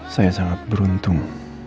saya sangat beruntung